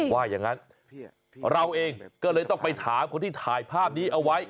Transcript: ว่าอย่างนั้นเราเองก็เลยต้องไปถามคนที่ถ่ายภาพนี้เอาไว้